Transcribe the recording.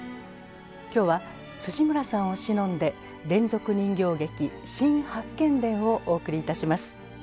今日は村さんをしのんで連続人形劇「新八犬伝」をお送りいたします。